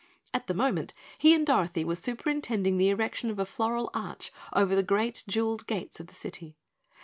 At the moment, he and Dorothy were superintending the erection of a floral arch over the great jeweled gates of the City.